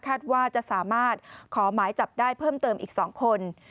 ว่าจะสามารถขอหมายจับได้เพิ่มเติมอีก๒คน